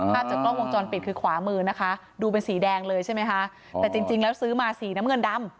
ภาพจากกล้องวงจรปิดคือขวามือนะคะดูเป็นสีแดงเลยใช่ไหมคะแต่จริงจริงแล้วซื้อมาสีน้ำเงินดำ